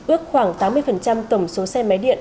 ước khoảng tám mươi tổng số xe máy điện